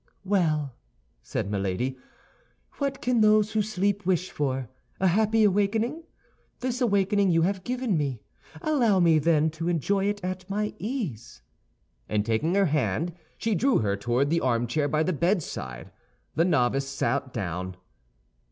"Well," said Milady, "what can those who sleep wish for—a happy awakening? This awakening you have given me; allow me, then, to enjoy it at my ease," and taking her hand, she drew her toward the armchair by the bedside. The novice sat down.